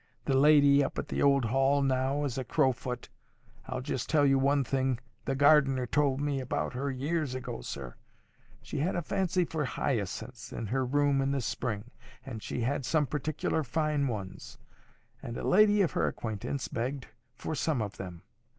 The lady up at the old Hall now is a Crowfoot. I'll just tell you one thing the gardener told me about her years ago, sir. She had a fancy for hyacinths in her rooms in the spring, and she had some particular fine ones; and a lady of her acquaintance begged for some of them.